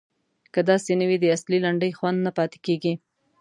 که داسې نه وي د اصیلې لنډۍ خوند نه پاتې کیږي.